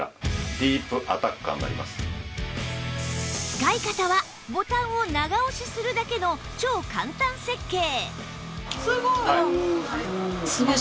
使い方はボタンを長押しするだけの超簡単設計